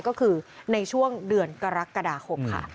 ก็คือในช่วงเดือนกรกฎาคมค่ะ